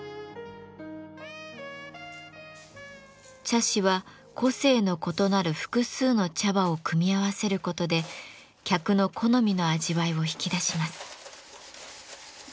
茶師は個性の異なる複数の茶葉を組み合わせることで客の好みの味わいを引き出します。